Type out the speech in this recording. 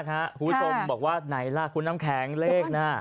คุณผู้ชมบอกว่าไหนล่ะคุณน้ำแข็งเลขน่ะ